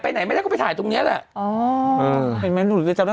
ไม่เนี่ยต้องไปถ่ายตรงเนี้ยแหละ